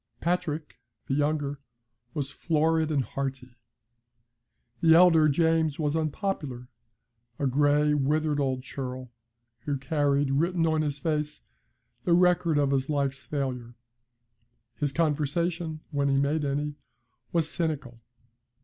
Patrick, the younger, was florid and hearty; the elder, James, was unpopular a gray, withered old churl, who carried written on his face the record of his life's failure. His conversation, when he made any, was cynical.